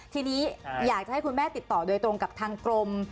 ทีนี้อยากจะให้คุณแม่ติดต่อโดยตรงกับทางกรม